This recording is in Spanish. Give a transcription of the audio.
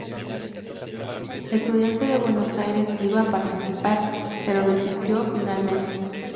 Estudiantes de Buenos Aires iba a participar, pero desistió finalmente.